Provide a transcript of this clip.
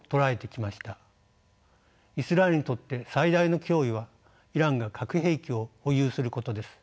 イスラエルにとって最大の脅威はイランが核兵器を保有することです。